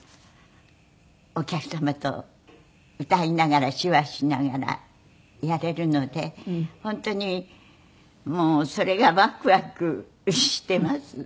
お客様と歌いながら手話しながらやれるので本当にもうそれがワクワクしています。